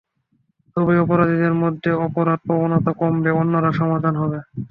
তবেই অপরাধীদের মধ্যে অপরাধপ্রবণতা কমবে, অন্যরা সাবধান হবে।